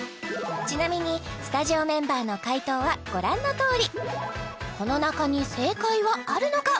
ちなみにスタジオメンバーの解答はご覧のとおりこの中に正解はあるのか？